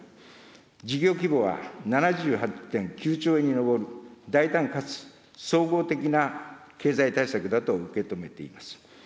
事業規模は７８．９兆円に上る、大胆かつ総合的な経済対策だと受け止めています。